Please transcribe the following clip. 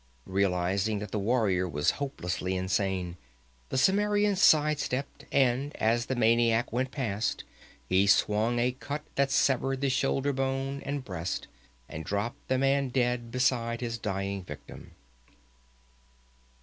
Realizing that the warrior was hopelessly insane, the Cimmerian side stepped, and as the maniac went past, he swung a cut that severed the shoulder bone and breast, and dropped the man dead beside his dying victim.